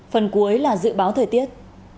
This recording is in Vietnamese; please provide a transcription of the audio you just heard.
phần cuối là dự báo thời tiết